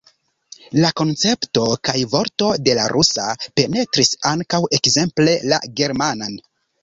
La koncepto kaj vorto de la rusa penetris ankaŭ ekzemple la germanan.